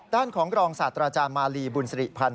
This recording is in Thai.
ด้านของรองศาสตราจารย์มาลีบุญสิริพันธ